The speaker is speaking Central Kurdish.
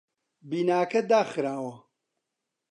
بیناکە داخراوە.